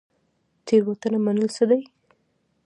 تیروتنه منل څه دي؟